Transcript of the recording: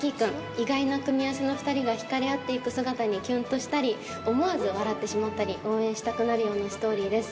意外な組み合わせの２人が惹かれ合って行く姿にキュンとしたり思わず笑ってしまったり応援したくなるようなストーリーです。